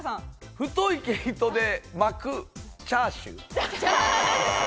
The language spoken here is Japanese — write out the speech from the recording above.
太い毛糸で巻くチャーシュー。